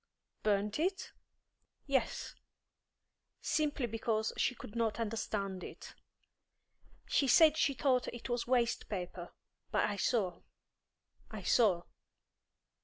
"Burnt it?" "Yes; simply because she could not understand it. She said she thought it was waste paper, but I saw, I saw."